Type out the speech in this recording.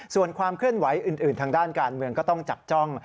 ส่วนความเคลื่อนไหวอื่นทางด้านการเมืองก็ต้องจับจ้อง